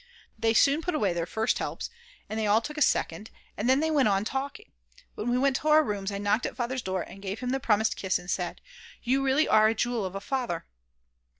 They soon put away their first helps, and they all took a second, and then they went on talking. When we went to our rooms I knocked at Father's door and gave him the promised kiss and said: "You really are a jewel of a Father."